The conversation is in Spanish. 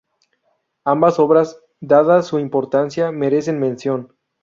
Ambas obras, dada su importancia, merecen mención.